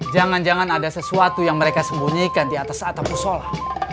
jangan jangan ada sesuatu yang mereka sembunyikan di atas atap musola